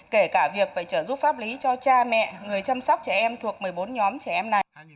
kể cả việc phải trợ giúp pháp lý cho cha mẹ người chăm sóc trẻ em thuộc một mươi bốn nhóm trẻ em này